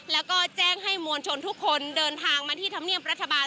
แล้วก็แจ้งให้มวลชนทุกคนเดินทางมาที่ธรรมเนียมรัฐบาล